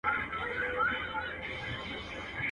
خراپه ښځه د بل ده.